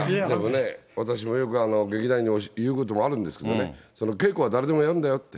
私もよく劇団員に言うことがあるんですけどね、稽古は誰でもやるんだよと。